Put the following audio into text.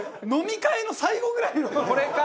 飲み会の最後ぐらいの。